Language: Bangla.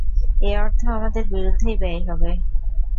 এ অর্থ আমাদের বিরুদ্ধেই ব্যয় হবে।